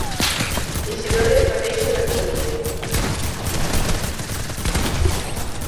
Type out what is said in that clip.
Isidore va néixer a Alexandria.